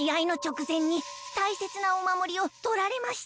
くぜんにたいせつなおまもりをとられました。